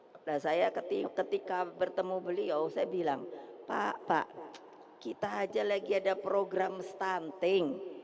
hai dan saya ketika ketika bertemu beliau saya bilang pak pak kita aja lagi ada program stunting